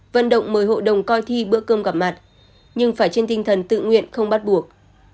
vận động mời hội đồng coi thi bữa cơm gặp mặt nhưng phải trên tinh thần tự nguyện không bắt buộc